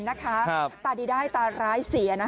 หนึ่งสอง